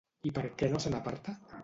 I per què no se n'aparta?